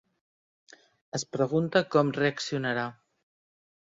Es pregunta com reaccionarà.